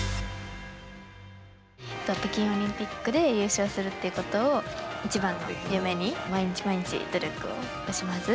北京オリンピックで優勝するということをいちばんの夢に毎日毎日、努力を惜しまず